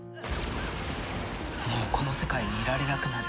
もうこの世界にいられなくなる。